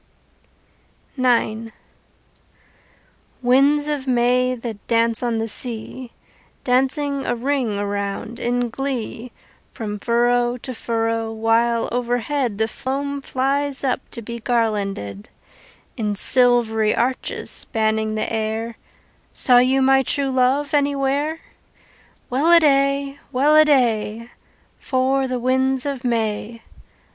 IX Winds of May, that dance on the sea, Dancing a ring around in glee From furrow to furrow, while overhead The foam flies up to be garlanded, In silvery arches spanning the air, Saw you my true love anywhere? Welladay! Welladay! For the winds of May!